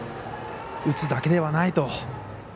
打つだけではないと。